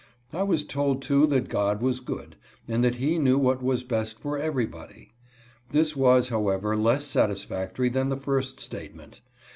I was told too that God was good, and that He knew what was best for everybody. This was, however, less satisfactory than the first state ment.